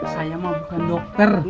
saya mah bukan dokter